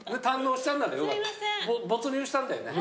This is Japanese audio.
没入したんだよね。